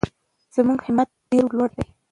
زموږ همت ډېر لوړ دی.